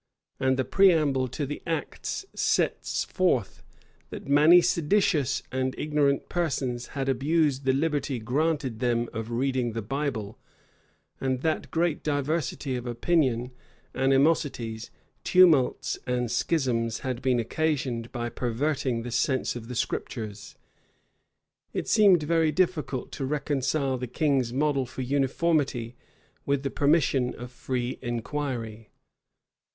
And the preamble to the act sets forth "that many seditious and ignorant persons had abused the liberty granted them of reading the Bible, and that great diversity of opinion, animosities, tumults, and schisms had been occasioned by perverting the sense of the Scriptures." It seemed very difficult to reconcile the king's model for uniformity with the permission of free inquiry.